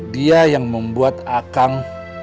dia yang membuat akang